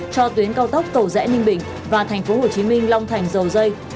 cho tuyến cao tốc cầu dẽ ninh bình và thành phố hồ chí minh long thành dầu dây